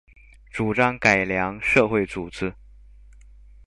主張改良社會組織